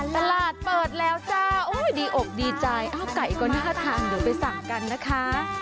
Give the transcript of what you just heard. ตลาดเปิดแล้วจ้าดีอกดีใจอ้าวไก่ก็น่าทานเดี๋ยวไปสั่งกันนะคะ